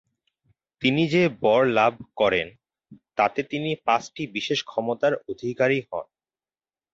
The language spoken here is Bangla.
তিনি যে বর লাভ করেন তাতে তিনি পাঁচটি বিশেষ ক্ষমতার অধিকারী হন।